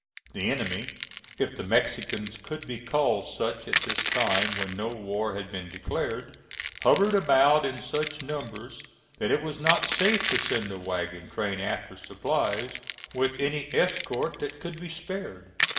The enemy, if the Mexicans could be called such at this time when no war had been declared, hovered about in such numbers that it was not safe to send a wagon train after supplies with any escort that could be spared.